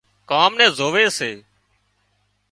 ڪام نين زووي سي